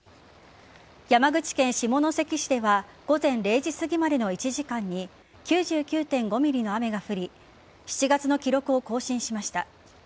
山口県下関市では午前０時すぎまでの１時間に９９．５ｍｍの雨が降り７月の記録を更新しました。